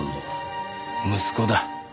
息子だ。